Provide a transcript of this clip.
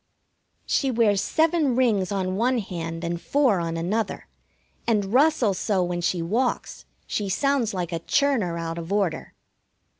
She wears seven rings on one hand and four on another, and rustles so when she walks she sounds like a churner out of order.